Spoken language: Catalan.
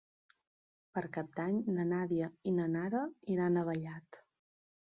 Per Cap d'Any na Nàdia i na Nara iran a Vallat.